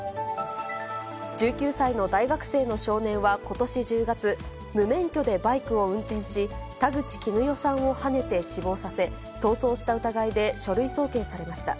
１９歳の大学生の少年はことし１０月、無免許でバイクを運転し、田口キヌヨさんをはねて死亡させ、逃走した疑いで書類送検されました。